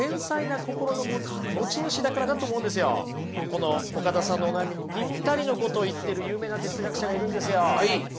この岡田さんのお悩みにピッタリのことを言ってる有名な哲学者がいるんですよ。